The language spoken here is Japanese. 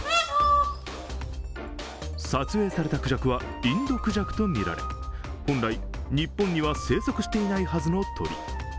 撮影されたくじゃくはインドクジャクとみられ本来、日本には生息していないはずの鳥。